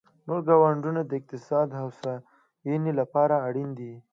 نور ګوندونه د اقتصادي هوساینې لپاره اړین دي